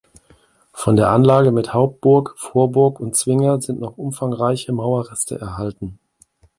Von der Anlage mit Hauptburg, Vorburg und Zwinger sind noch umfangreiche Mauerreste erhalten.